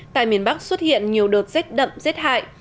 tại miền bắc xuất hiện nhiều đợt rết đậm rết hại